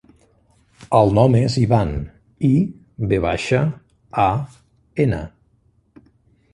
El nom és Ivan: i, ve baixa, a, ena.